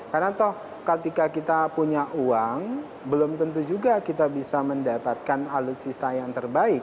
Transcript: karena toh ketika kita punya uang belum tentu juga kita bisa mendapatkan alutsista yang terbaik